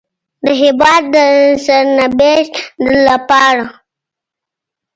د هېواد د سرنوشت لپاره